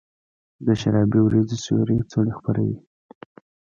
د شرابې اوریځو سیوري څوڼي خپروي